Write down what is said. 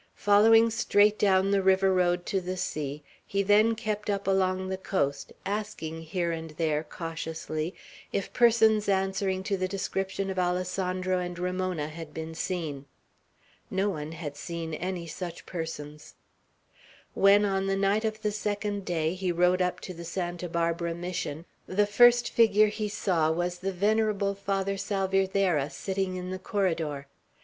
Following straight down the river road to the sea, he then kept up along the coast, asking here and there, cautiously, if persons answering to the description of Alessandro and Ramona had been seen. No one had seen any such persons. When, on the night of the second day, he rode up to the Santa Barbara Mission, the first figure he saw was the venerable Father Salvierderra sitting in the corridor.